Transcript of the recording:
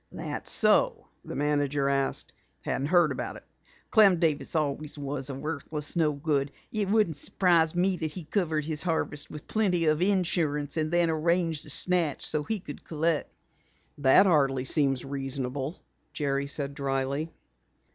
"That so?" the manager asked. "Hadn't heard about it. Clem Davis always was a worthless, no good. It wouldn't surprise me that he covered his harvest with plenty of insurance, and then arranged the snatch so he could collect." "That hardly seems reasonable," Jerry said dryly.